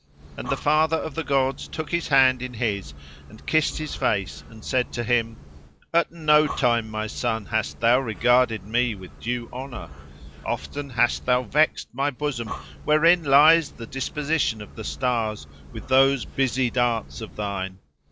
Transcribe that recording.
And the father of gods took his hand in his, and kissed his face and said to him, "At no time, my son, hast thou regarded me with due honour. Often hast thou vexed my bosom, wherein lies the disposition of the stars, with those busy darts of thine.